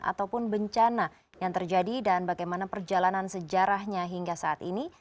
ataupun bencana yang terjadi dan bagaimana perjalanan sejarahnya hingga saat ini